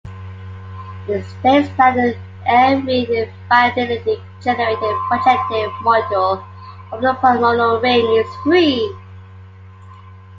It states that every finitely generated projective module over a polynomial ring is free.